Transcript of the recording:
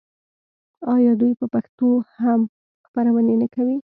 آیا دوی په پښتو هم خپرونې نه کوي؟